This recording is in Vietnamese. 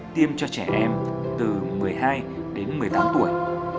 tiêm cho trẻ em từ một mươi hai đến một mươi tám tuổi